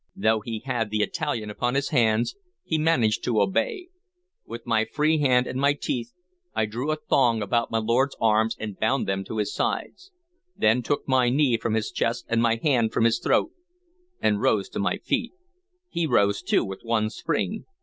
Though he had the Italian upon his hands, he managed to obey. With my free hand and my teeth I drew a thong about my lord's arms and bound them to his sides; then took my knee from his chest and my hand from his throat, and rose to my feet. He rose too with one spring.